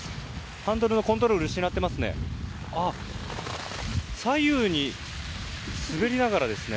ハンドルのコントロールを失っていますね。